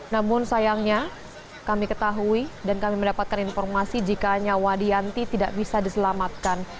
namun sayangnya kami ketahui dan kami mendapatkan informasi jika nyawa dianti tidak bisa diselamatkan